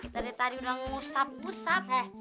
kita dari tadi udah ngusap ngusap